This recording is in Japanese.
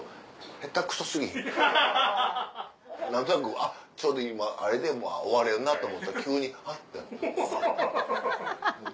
何となくちょうど今あれで終われるなと思ったら急に「あっ」てなってサ。